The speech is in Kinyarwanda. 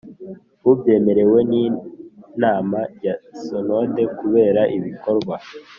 ubyemerewe n inama ya Sinode kubera ibikorwa